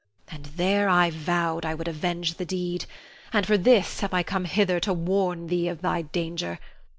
And there I vowed I would avenge the deed, and for this have I come hither to warn thee of thy danger.